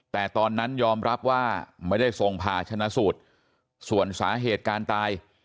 แต่ตอนนั้นยอมรับว่าไม่ได้ส่งผ่าชนะสูตรส่วนสาเหตุการตาย